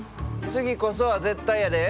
次こそは絶対やで。